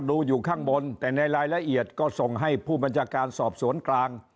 ดูอยู่ข้างบนแต่ในรายละเอียดก็ส่งให้ผู้บัญชาการสอบสวนกลาง